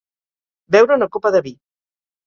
Beure una copa de vi.